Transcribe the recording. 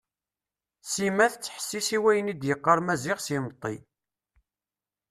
Sima tettḥessis i wayen d-yeqqar Maziɣ s imeṭṭi.